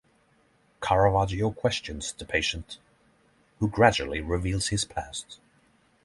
Caravaggio questions the patient, who gradually reveals his past.